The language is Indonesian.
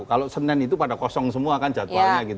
kalau senin itu pada kosong semua kan jadwalnya gitu